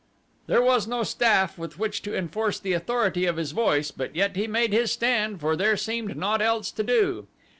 There was no staff with which to enforce the authority of his voice, but yet he made his stand for there seemed naught else to do.